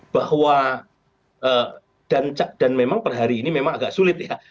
bahwa dan memang perhari ini memang agak sulit ya